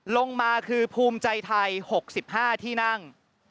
ลงมาคือภูมิใจไทย๖๕ที่นั่ง